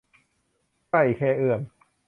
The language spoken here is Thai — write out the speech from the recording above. ใกล้แค่เอื้อม